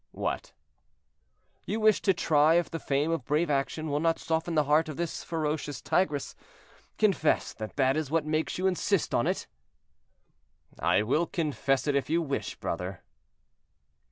"What?" "You wish to try if the fame of a brave action will not soften the heart of this ferocious tigress. Confess that that is what makes you insist on it." "I will confess it if you wish, brother."